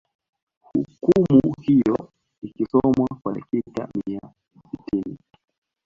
hukumu hiyo ilkisomwa kwa dakika mia sitini